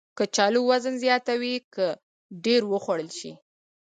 کچالو وزن زیاتوي که ډېر وخوړل شي